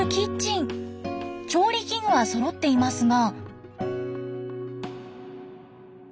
調理器具はそろっていますが。